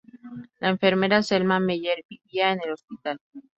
La enfermera Selma Meyer vivía en el hospital.